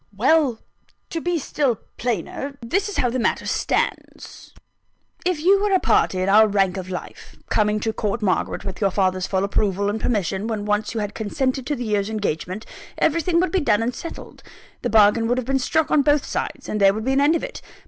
"Well, to be still plainer, this is how the matter stands: If you were a party in our rank of life, coming to court Margaret with your father's full approval and permission when once you had consented to the year's engagement, everything would be done and settled; the bargain would have been struck on both sides; and there would be an end of it.